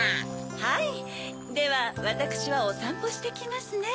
はいではわたくしはおさんぽしてきますね。